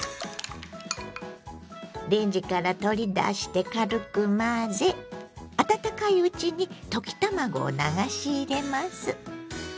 レンジから取り出して軽く混ぜ温かいうちに溶き卵を流し入れます。